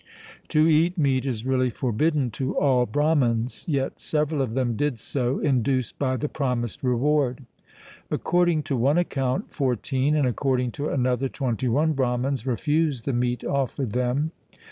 To eat meat is really forbidden to all Brahmans; yet several of them did so, induced by the promised reward. According to one account fourteen, and according to another twenty one Brahmans refused the meat offered them.